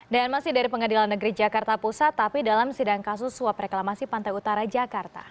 dan masih dari pengadilan negeri jakarta pusat tapi dalam sidang kasus suap reklamasi pantai utara jakarta